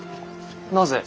なぜ？